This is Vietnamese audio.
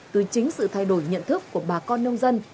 từ chính sự thay đổi nhận thức của bà con nông dân